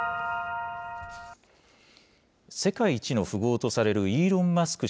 世界一の富豪とされるイーロン・マスク